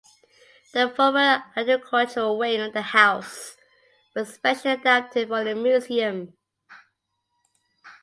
The former agricultural wing of the house was specially adapted for the museum.